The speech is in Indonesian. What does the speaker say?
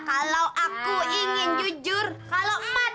kalau aku ingin jujur kalau emak tuh pasang pasang